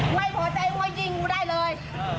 ไม่พอใจว่ายิงกูได้เลย